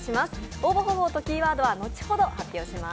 応募方法とキーワードは後ほど発表します。